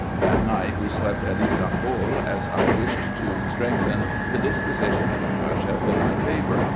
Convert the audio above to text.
That night we slept at Ybsambul, as I wished to strengthen the disposition of the Cacheff in my favour.